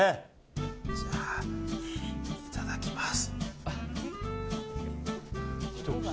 じゃあ、いただきます。